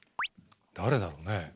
誰だろうね？